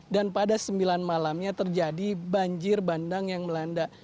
dan pada sembilan malamnya terjadi banjir bandang yang melanda